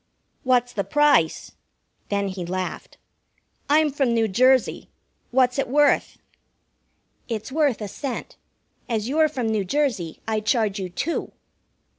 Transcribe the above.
"What's the price?" Then he laughed. "I'm from New Jersey. What's it worth?" "It's worth a cent. As you're from New Jersey, I charge you two.